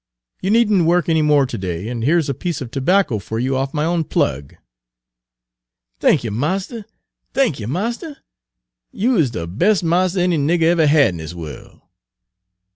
You need n't work any more to day, and here's a piece of tobacco for you off my own plug." "Thanky, marster, thanky, marster! You is de bes' marster any nigger ever had in dis worl'."